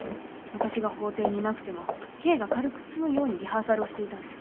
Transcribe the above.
私が法廷にいなくても刑が軽く済むようにリハーサルをしていたんです